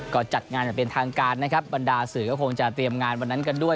ก็จัดงานอย่างเป็นทางการนะครับบรรดาสื่อก็คงจะเตรียมงานวันนั้นกันด้วย